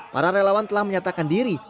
para relawan telah menyatakan diri